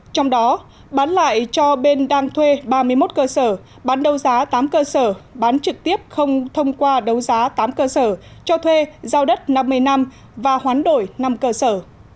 trong đó bán lại cho bên đang thuê ba mươi một cơ sở bán đấu giá tám cơ sở bán trực tiếp không thông qua đấu giá tám cơ sở cho thuê giao đất năm mươi năm và hoán đổi năm cơ sở